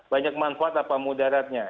banyak manfaat apa mudaratnya